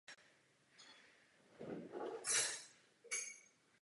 V zahraničí působil na klubové úrovni v Česku a na Slovensku.